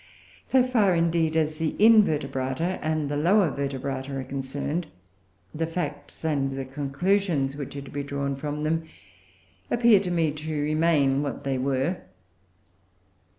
So far, indeed, as the Invertebrata and the lower Vertebrata are concerned, the facts and the conclusions which are to be drawn from them appear to me to remain what they were.